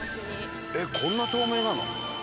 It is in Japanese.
えっこんな透明なの？